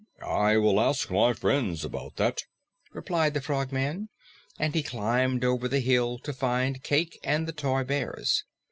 "I will ask my friends about that," replied the Frogman, and he climbed over the hill to find Cayke and the toy bears.